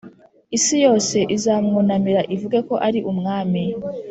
Isi yose izamwunamira ivuge ko ari umwami